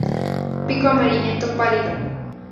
Pico amarillento pálido.